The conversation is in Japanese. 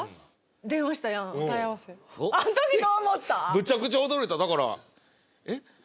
むちゃくちゃ驚いただから。